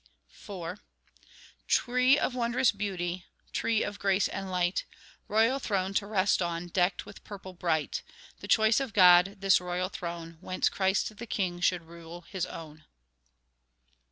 IV Tree of wondrous beauty, Tree of grace and light, Royal throne to rest on, Decked with purple bright; The choice of God, this royal throne Whence Christ, the King, should rule His own.